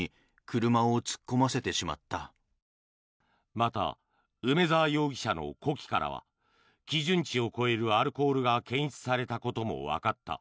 また、梅沢容疑者の呼気からは基準値を超えるアルコールが検出されたこともわかった。